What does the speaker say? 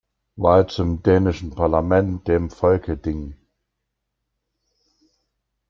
Wahl zum dänischen Parlament, dem Folketing.